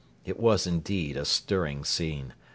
It was indeed a stirring scene.